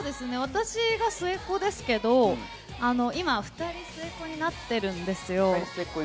私が末っ子ですけど、今２人末っ子になってるんですよ。